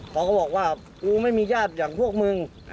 เขาก็บอกว่ากูไม่มีญาติอย่างพวกมึง